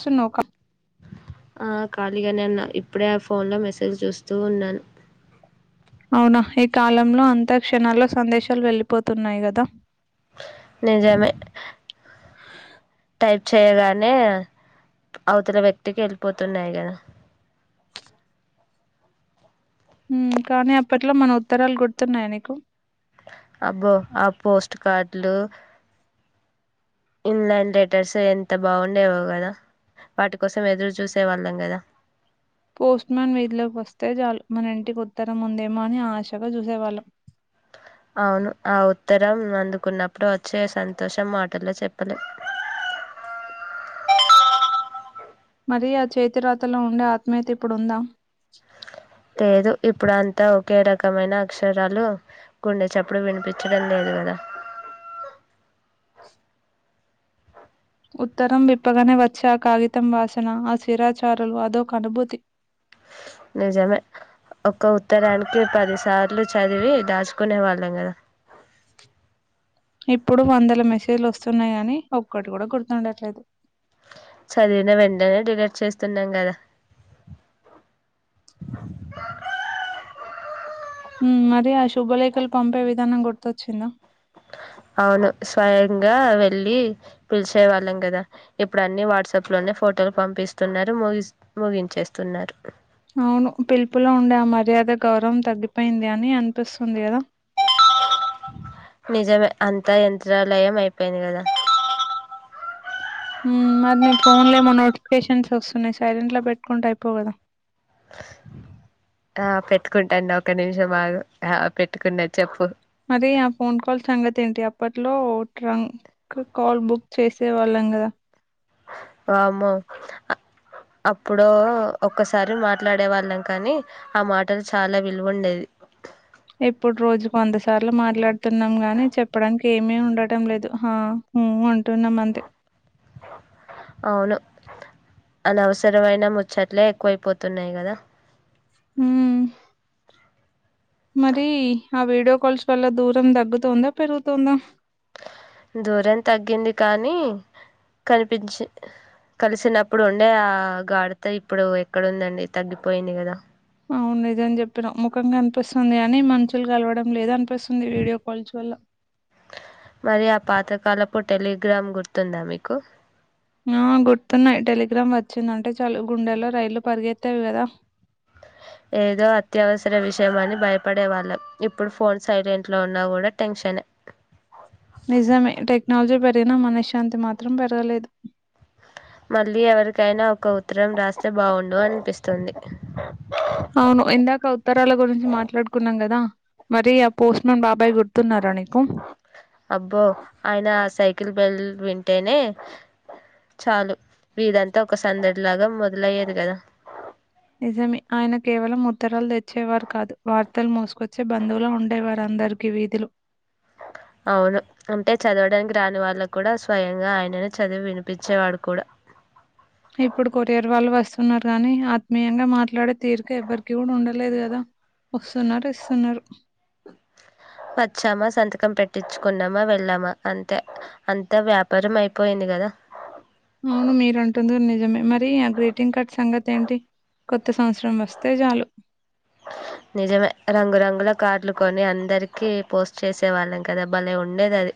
సునోకా ఆ కాళీగానే ఉన్న ఇప్పుడే ఆ ఫోన్ లో మెసేజ్ జూస్తూ ఉన్నాను ఔనా ఈ కాలంలో అంతా క్షణాల్లో సందేశాల్ వెళ్ళిపోతున్నాయ్ గద నిజమే టైప్ చేయగానే అవతల వ్యక్తి కి ఎళ్ళిపోతున్నాయ్ గద ఊమ్ కానీ అప్పట్లో మన ఉత్తరాల్ గుర్తున్నయ నీకు అబ్బో ఆ పోస్ట్ కార్డ్ లూ ఇంగ్లాండ్ లెటర్సు ఎంత బాగుండేవో గదా వాటి కోసం ఎదురు చూస్ సే వాళ్ళంగద పోస్ట్ మ్యాన్ వీధిలోకి వస్తే చాలు మన ఇంటికి ఉత్తరం ఉందేమో అని ఆశగా జూసేవాళ్ళం ఔను ఆ ఉత్తర్ ఉత్తరం అందుకున్నప్పుడు వచ్చే సంతోషం మాటల్లో చెప్పలేం మరీ ఆ చేతి రాతలో ఉండే ఆత్మీయత ఇప్పుడుందా లేదు ఇప్పుడంత అంత ఒకే రకమైన అక్షరాలు గుండె చప్పుడు విన్పిచ్చడం లేదు గద ఉత్తరం విప్పగనే వచ్చే ఆ కాగితం వాసనా ఆ శిరాచారలు అదోక అనుభూతి నిజమే ఒక ఉత్తరానికీ పదిసార్లు చదివి దాచ్ దాచుకునే వాళ్ళం గద ఇప్పుడు వందల మెసేజ్లు వస్తున్నాయ్ గానీ ఒక్కటి గూడ గుర్తుండట్లేదు చదివిన వెంటనే డిలేట్ చేస్తున్నాం గద ఊమ్ మరి ఆ శుభలేకల్ పంపే విదానం గుర్తొచ్చిందా ఔను స్వయంగా వెళ్ళీ పిల్చే వాళ్ళం గద ఇప్పుడు అన్నీ వాట్సాప్ లోనే ఫోటోలు పంపిస్తున్నారు మోగిస్ ముగించేస్తున్నారు ఔను పిలుపులో ఉండే ఆ మర్యాద గౌరవం తగ్గిపోయింది అని అనిపిస్తుంది గద నిజమే అంతా యంత్రాలయం అయిపోయింది గద ఊమ్ మరి నీ ఫోన్లొ ఏమో నోటిఫికేషన్స్ వస్తున్నయ్ సైలెంట్ లో పెట్కుంటే ఐపోవ్ గదా ఆ పెట్టుకుంటాన్ ఒక్క నిమిషం ఆగు ఆ పెట్టుకున్న చెప్పు మరీ ఆ ఫోన్ కాల్ సంగతే ఏంటి అప్పట్లో ట్రంగ్ కాల్ బుక్ చేసే వాళ్ళం గదా వామ్మో అప్పుడో ఒక్కసారి మాట్లాడే వాళ్ళం కానీ ఆ మాటలు చాలా విలువుండేది అట్ల మాట్లాడ్తున్నాం గానీ చెప్పడాన్కి ఏమీ ఉండటం లేదు హా హూ అంటున్నం అంతే అవును. అనవసరమైన ముచ్చట్లే ఎక్కువైపోతున్నాయ్ గద మ్. మరీ ఆ వీడియో కాల్స్ వల్ల దూరం తగ్గుతోంద దూరం తగ్గింది. కానీ కనిపిచ్చ్ కలిసినప్పుడు ఉండే ఆ గాడిత ఇప్పుడు ఎక్కడుందండీ తగ్గిపోయింది గదా అవున్ నిజం జెప్పినవ్ ముఖం కన్పిస్తుంది గానీ మనుషుల్ కల్వడం లేదు అన్పి పిస్తుంది వీడియో కాల్స్ వల్ల మరి ఆ పాతకాలపు టెలిగ్రామ్ గుర్తుందా మీకు ఆఁ గుర్తున్నాయ్ టెలిగ్రామ్ వచ్చిందంటే చాలు గుండెల్లో రైళ్లు పరిగెత్తేవి గదా ఏదో అత్యవసర విషయం అని బయపడే వాళ్ళం. ఇప్పుడు ఫోన్ సైలెంట్లో ఉన్నా గూడ టెన్షనే నిజమే టెక్నాల్జీ పెరిగినా మనశ్శాంతి మాత్రం పెరగలేదు. మళ్ళీ ఎవరికైనా ఒక ఉత్తరం రాస్తే బావుండు అన్పిస్తుంది. అవును. ఇందాక ఉత్తరాల గురించి మాట్లాడుకున్నాం గదా మరి ఆ పోస్ట్మెన్ బాబాయ్ గుర్తున్నారా నీకు అబ్బో ఆయన సైకిల్ బెల్ విం ంటేనే చాలు వీదం తా ఒక సందడి లాగా మొదలయ్యేది కదా నిజమే ఆయన కేవలం ఉత్తరాలు తెచ్చేవారు కాదు వార్తలు మోసుకొచ్చే బంధువుల ఉండేవారు. అందరికి వీదిలో అవును. అంటే చదవడానికి రాని వాళ్ళ కూడా స్వయంగా ఆయననే చదివి వినిపించేవాడు కూడా ఇప్పుడు కొరియర్ వాళ్ళు వస్తున్నారు కానీ ఆత్మీయంగా మాట్లాడే తీరీక ఎవ్వరికి కూడా ఉండలేదు కదా వస్తున్నరు. ఇస్తున్నరు. వచ్చామా సంతకం పెట్టించుకున్నామా వెళ్ళామా అంతే అంతా వ్యాపారం అయిపోయింది. కదా అవును మీరుంటుంది నిజమే. మరి ఆ గ్రీటింగ్ కార్డ్ సంగతేంటి. కొత్త సంవత్సరం వస్తే చాలు నిజమే రంగురంగుల కార్డ్లు కొని అందరికీ పోస్ట్ చేసే వాళ్ళం కదా భలే ఉండేదది.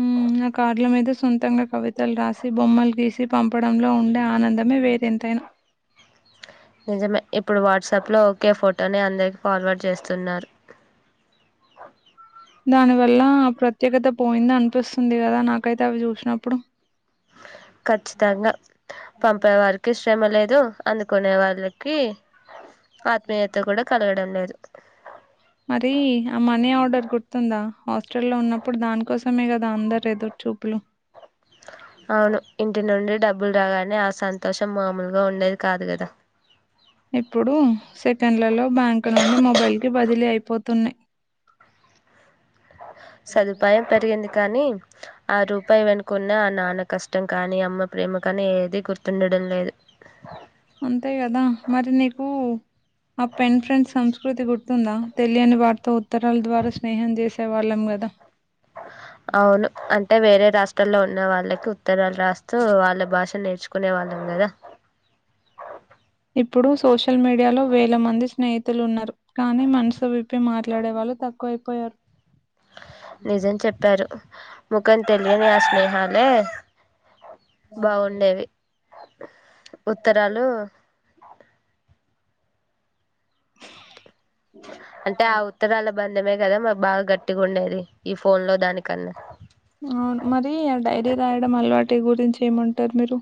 మ్. ఆ కార్డ్ల మీద సొంతంగా కవితలు రాసి బొమ్మలు గీసి పంపడంలో ఉండే ఆనందమే వేరెంతైనా నిజమే ఇప్పుడు వాట్స ప్లో ఓకే ఫోటోని అందరికి ఫార్వర్డ్ చేస్తున్నారు. దాని వల్ల ప్రత్యేకత పోయిందనిపిస్తుంది కదా నాకైతే అవి చూసినప్పుడు ఖచ్చితంగా పంపేవారికే శ్రమ లే దు. అందుకునే వాళ్ళకి ఆత్మీయత కూడా కలగడం లేదు. మరీ ఆ మనీ ఆర్డర్ గుర్తుందా హాస్టల్లో ఉన్నప్పుడు దానికోస్ సమే కదా అందరెదురు చూపులు అవును. ఇంటి నుండి డబ్బులు రాగానే ఆ సంతోషం మామూలుగా ఉండేది కాదు కదా ఇప్పుడు సెకండ్లలో బ్యాంకు నుండి మొబైల్ కి బదిలీ అయిపోతున్నాయ్. సదుపాయం పెరిగింది కానీ ఆ రూపాయి వెనుకున్న అన్ నాన్న కష్టం కానీ అమ్మ ప్రేమ కానీ ఏదీ గుర్తుండడం లేదు. అంతే కదా మరి నీకు ఆ పెన్ ఫ్రెండ్ సంస్కృతి గుర్ తుందా తెలియని వార్తో ఉత్తరాల ద్వారా స్నేహం చేసే వాళ్ళం కదా అవును అంటే వేరే రాష్ట్రాల్లో ఉన్న వాళ్ళకు. ఉత్తరాలు రాస్తూ వాళ్ళ భాష నేర్చుకునే వాళ్ళం కదా ఇప్పుడు సోషల్ మీడియాలో వేల మంది స్నేహితులు ఉన్నారు కానీ మనసు విప్పి మాట్లాడే వాళ్ళు తక్కువ అైపోయారు నిజం చెప్పారు ముఖం తెలియని ఆ స్నేహాలే బాగుండేవి ఉత్తరాలు అంటే ఆ ఉత్తరాల బరి నిందమే కదా మరి బాగా గట్టిగా ఉండేది ఈ ఫోన్ లో దానికన్నా అవును చేమంటారు మీరు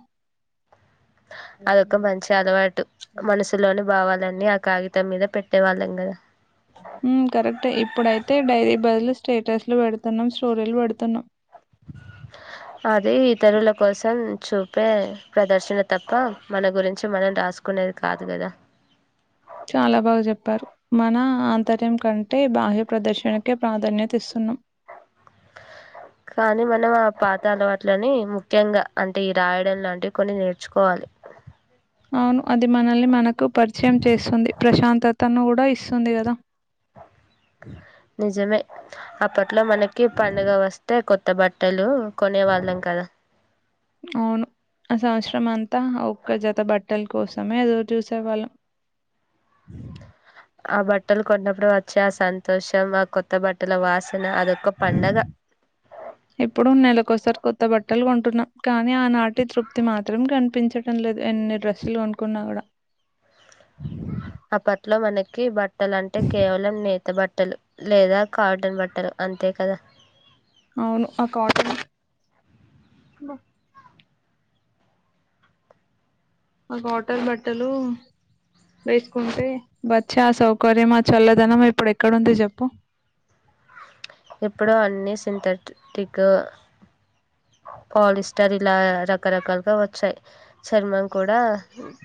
అదొక మంచి అలవాటు మనసులోని బావాల న్నీ ఆ కాగితం మీద పెట్టే వాళ్ళం కదా కరెక్ట్ ఇప్పుడైతే డైరీ బదులు స్టేటస్లు పెడుతున్నాం స్టోరీలు పెడుతున్నాం అది ఇతరుల కోసం చూపే ప్రదర్శన తప్ప మన గురించి మనం రా రాసుకునేది కాదు కదా చాలా బాగా చెప్పారు మన ఆంతర్యం కంటే బాహ్య ప్రదర్శనకే ప్రాధాన్యత ఇస్తున్నా కానీ మనం ఆ పాత అల వాట్లని ముఖ్యంగా అంటే ఈ రాయడం లాంటివి కొన్ని నేర్చుకోవాలి అవును అది మనల్ని మనకు పరిచయం చేస్తుంది ప్రశాంతతను కూడా ఇస్తుంది కదా నిజమే అప్పట్లో మనకి పండుగ వస్తే కొత్త బట్టలు కొనేవాళ్ళం కదా అవునుసవత్స్ర అంతా ఓ ఒక జత బట్టల కోసమే ఎదో చూసే వాళ్ళం ఆ బట్టలు కొన్నప్పుడు వచ్చి ఆ సంతోషం ఆ కొత్త బట్టల వాస ఇప్పుడు ఉన్నాల ఒకసారి కొ కొత్త బట్టలు కొంటున్నాం కానీ ఆనాటి తృప్తి మాత్రం కనిపించడంం లేదు ఎన్ని డ్రస్సులు కొనుకున్నా కూడా అప్పట్లో మనకి బట్టలు అంటే కేవలం నేత బట్ట బట్టలు లేదా కాటన్ బట్టలు అంతే కదా అవును ఆ కాట ఒక వాటర్ బట్టలు వేసుకుంటే బచ్చి ఆ సౌకర్యం ఆ చల్లదనం ఇప్పుడు ఎక్కడంది చెప్పు ఎప్పుడు అన్నిీ సింథటిక్ పాలిస్టర్ ఇలా రకరకాలుగా వచ్చాయి చర్మం కూడా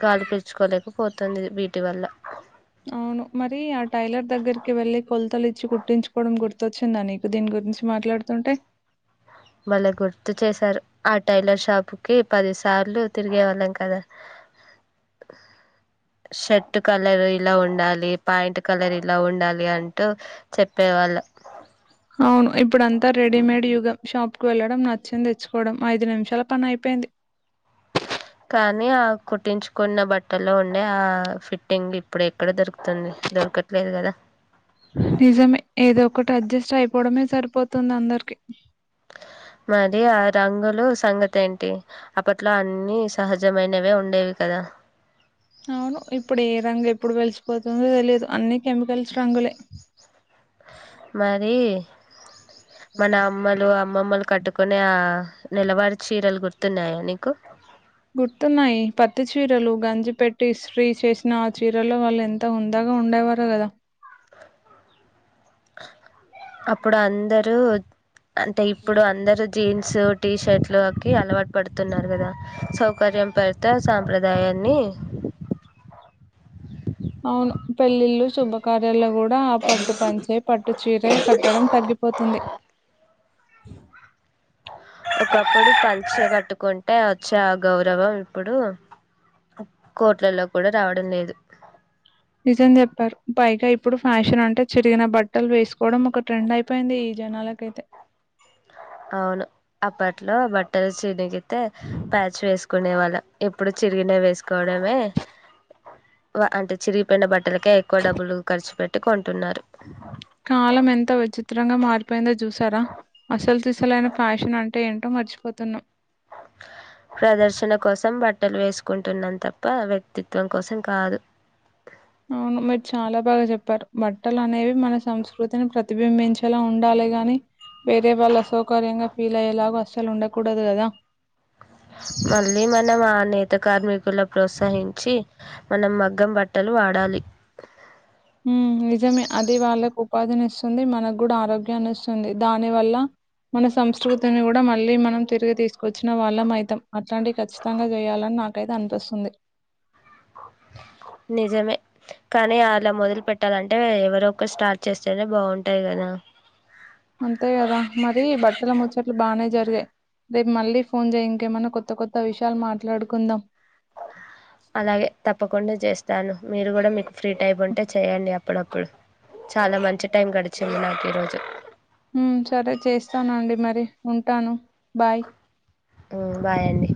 గాలిపచ్చుకోలేకపోతుంది వీటి వల్ల అవును మరి ఆ టైలర్ దగ్గరికి వెళ్ళలి కొలతలు ఇచ్చి కుట్టించుకోవడం గుర్తొచ్చిందా నీకు దీని గు గురించి మాట్లాడుతుంటే మళ్ళా గుర్తు చేసారు ఆ టైలర్ షాప్ కి పది సార్లు తిరిగే వాళ్ళం కదా షర్ట్ కలర్ ఇలా ఉండాలి పా్యాంట్ కలర్ ఇలా ఉండాలి అంటూ చెప్పేవాళ్ళం అవును ఇప్పుడ అంతా రెడీమేడ్ యుగం షాప్ వెళ్లడం నచ్చింది తెచ్చుకోవడం ఐదు నిమిషాల పని అయిపోయింది కానీ ఆ కుట్టించుకున్న బట్టల్లో ఉండే ఆ ఫిట్టింగ్ ఇప్పుడు ఎక్కడ దొరుకుతుంది దొరుకు దక్కట్లేదు కదా నిజమే ఏదో ఒకటి అడ్జస్ట్ అయిపోవడమే సరిపోతుంది అందరికి మరి ఆ రంగులు సంగతి ఏంటి అప్పట్లో అన్నిీ సహజమైనవే ఉండేవి కదా అవును ఇప్పుడు ఏ రంగు ఎప్పుడు వెలిసిపోతుందో తెలియదు అన్ని కెమికల్స్ రంగులే మరి మన అమ్మలు అమ్మమ్మలు కట్టుకునే ఆ నెలవారి చీరలు గుర్చ తున్నాయా నీకు గుర్తున్నాయి పట్టు చీ చీరలు గంజి పెట్టి ఇస్త్రీ చేసిన ఆ చీరలో వాళ్ళు ఎంత హుందగా ఉండేవారు కదా అ అప్పుడు అందరూ అంటే ఇప్పుడు అందరు జీన్స్ టీషర్ట్లు అకి అలవాటు పడుతున్నారు కదా సౌకర్యం పరిత సాంప్రదాయాన్ని అవును పెళ్ళిళ్ళు శుభకార్యాల్లో కూడా ఆ పట్టు పంచే పట్టు చీర కట్టడం తగ్గిపోతుంది ఒకప్పుడు పంచ కట్టుకుంటే వచ్చే ఆ గౌరవం ఇప్పుడు కోర్టులలో కూడా రావడం లేదు నిజం చెప్పారు పైగా ఇప్పుడు ఫ్యాషన్ అంటే చిరిగిన బట్టలు వేసుకోవడం ఒక ట్రెండ్ అయిపోయింది జనాలకైతే అవును అప్పట్లో బట్టలు చినిగితే ప్యాచ్ వేసుకు నే వాళ్ళ ఎప్పుడు చిరిగిన వేసుకోవడమే అంటే చిరిగి ప బట్ట ఇలక ఎక్కువ డబ్బులు లు ఖర్చు పెట్ కొ కాలం ఎంత విచిత్రంగా మారిపోయిందో చూసారా అసలు అసలైన ఫ్యాషన్ అంటే ఏంటో మర్చిపోతున్నాం ప్రదర్శన కోసం బట్ట బట్టలు వేసుకుంటున్నాం తప్ప వ్యక్తిత్వం కోసం కాదు అవును మీరు చాలా బాగా చెప్పారు బట్టలు అనేవి మన సంస్కృతిని ప్రతిబింబించేలా ఉండాలి అ గాని వేరే వాళ్ళు అసౌకర్యంగా ఫీల్ అయ్యేలాగా అసలు ఉండకూడదు కదా మళ్ళీ మనం ఆ నేత కార్మికుల ప్రోత్సహించి మనం మగ్గం బట్ట హ్మ్మ్ నిజమే అది వాల్లకు ఉపాధిని ఇస్తుంది మనకు కూడా ఆరోగ్యాన్ని ఇస్తుంది దాని వల్ల మన సంస్కృతిని కూడా మళ్ళీ మనం తిరిగి తీసుం వచ్చిన వాళ్ళం మైతం అట్లాంటివి ఖచ్చితంగా చేయాలని నాకు రైట్ అనిపిస్తుంది నిజమే కానీ అలా మొదలు పెట్టాలంటే ఎవరో ఒకరు స్టార్ట్ చేస్తేనే బాగుంటాయి కదా అంతే కదా మరి బట్టల ముచ్చట్లు బాగానే జరిగాయి రేపు మళ్ళీ ఫోన్ చేయ్య కేమైన్నా కొత్త కొత్త విషయాలు మాట్లాడుకుందాం అలాగే తప్పకుండా చేస్తాను మీరు కూడా మీకు ఫ్రీ టైం ఉంటే చెయండి అ అప్పుడప్పుడు చాలా మంచి టైం గడిచింది నాకు ఈరోజు స్తానుండి మరి ఉంటాను బాయ్ ఉమ్ బాయండి